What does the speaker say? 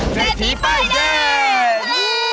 เศรษฐีไปเด้น